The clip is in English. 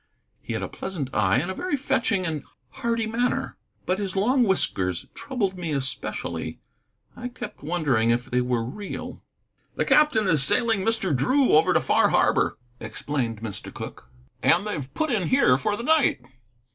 He had a pleasant eye and a very fetching and hearty manner. But his long whiskers troubled me especially. I kept wondering if they were real. "The captain is sailing Mr. Drew over to Far Harbor," explained Mr. Cooke, "and they have put in here for the night."